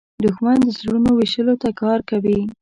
دښمن د زړونو ویشلو ته کار کوي